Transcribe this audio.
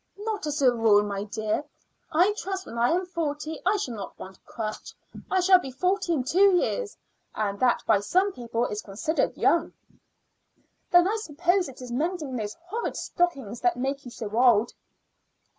"Not as a rule, my dear. I trust when I am forty I shall not want a crutch. I shall be forty in two years, and that by some people is considered young." "Then I suppose it is mending those horrid stockings that makes you so old."